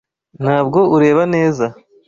Ntabwo ureba neza.